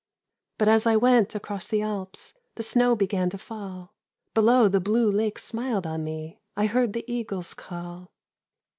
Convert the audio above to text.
"But as I went across the Alps, The snow began to fall; Below, the blue lakes smiled on me; I heard the eagles call.